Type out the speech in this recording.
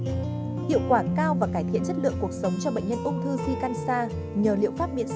hiệu quả cao và cải thiện chất lượng cuộc sống cho bệnh nhân ung thư si can sa nhờ liệu pháp miễn dịch